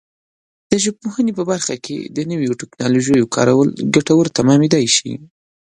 د ژبپوهنې په برخه کې د نویو ټکنالوژیو کارول ګټور تمامېدای شي.